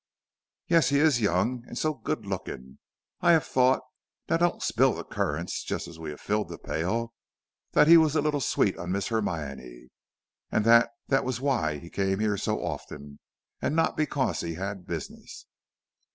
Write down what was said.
"Yes, he is young, and so good looking. I have thought now don't spill the currants, just as we have filled the pail that he was a little sweet on Miss Hermione, and that that was why he came here so often, and not because he had business."